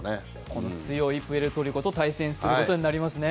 この強いプエルトリコと対戦することになりますね。